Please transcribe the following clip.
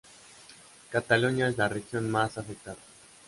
Cataluña es la región más afectada.